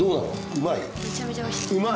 うまい！